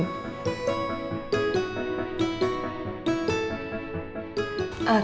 tunggu tunggu tunggu